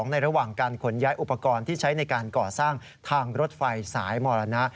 ในระหว่างการขนย้ายอุปกรณ์ที่ใช้ในการก่อสร้างทางรถไฟสายมรณะ